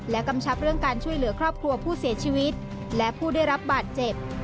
กำชับเรื่องการช่วยเหลือครอบครัวผู้เสียชีวิตและผู้ได้รับบาดเจ็บ